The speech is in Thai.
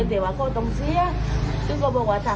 ทางไร้ะ